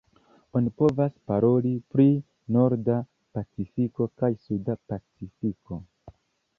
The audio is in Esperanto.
Oni povas paroli pri Norda Pacifiko kaj Suda Pacifiko.